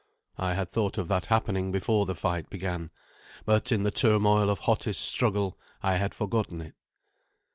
I had thought of that happening before the fight began, but in the turmoil of hottest struggle I had forgotten it.